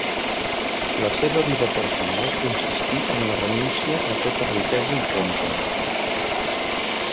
La seva vida personal consistí en la renúncia a tota riquesa i pompa.